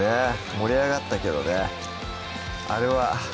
盛り上がったけ